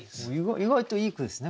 意外といい句ですね